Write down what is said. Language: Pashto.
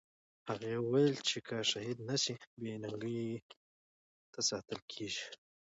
هغې وویل چې که شهید نه سي، بې ننګۍ ته ساتل کېږي.